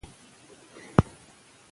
او په داسي يو حاكم راجمع نسي